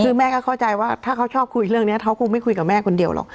คือแม่ก็เข้าใจว่าถ้าเขาชอบคุยเรื่องนี้เขาคงไม่คุยกับแม่คนเดียวหรอก